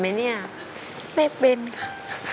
เนี่ยไม่เป็นค่ะ